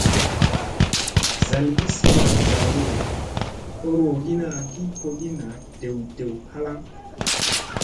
Zalgi sena zalni ɓorowogina ki kogi naa dew dew halaŋ.